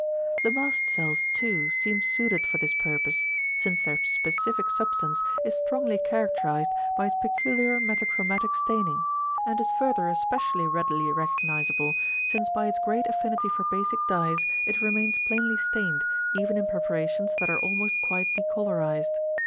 The mast cells too seem suited for this purpose since their specific substance is strongly characterised by its peculiar metachromatic staining, and is further especially readily recognisable, since by its great affinity for basic dyes it remains plainly stained, even in preparations that are almost quite decolorised.